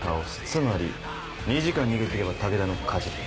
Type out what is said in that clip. つまり２時間逃げ切れば武田の勝ちだ。